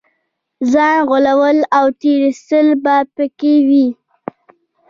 ځان غولول او تېر ایستل به په کې وي.